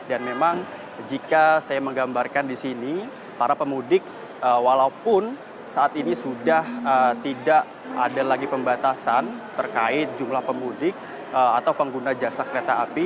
dan memang jika saya menggambarkan di sini para pemudik walaupun saat ini sudah tidak ada lagi pembatasan terkait jumlah pemudik atau pengguna jasa kereta api